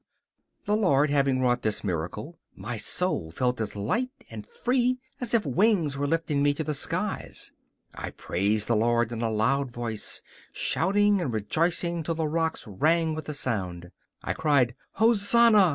The Lord having wrought this miracle, my soul felt as light and free as if wings were lifting me to the skies. I praised the Lord in a loud voice, shouting and rejoicing till the rocks rang with the sound. I cried: 'Hosanna!